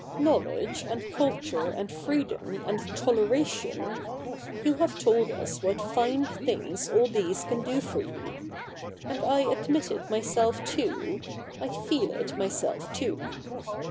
Know ledge, and culture, and freedom, and toleration — you have told us what fine things all these can do for you. And I admit it myself too ; I feel it myself too.